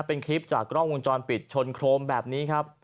เป็นคลิปจากกล้องวงจรปิดชนโครมแบบนี้ครับ